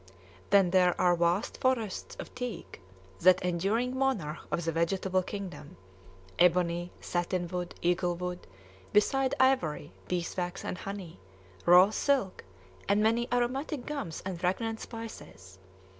Then there are vast forests of teak, that enduring monarch of the vegetable kingdom, ebony, satin wood, eagle wood; beside ivory, beeswax and honey, raw silk, and many aromatic gums and fragrant spices.